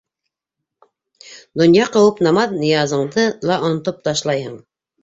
Донъя ҡыуып, намаҙ-ныязыңды ла онотоп ташлайһың.